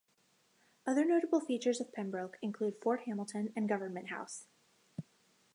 Other notable features of Pembroke include Fort Hamilton and Government House.